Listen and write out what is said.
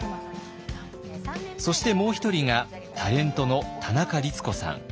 そしてもう一人がタレントの田中律子さん。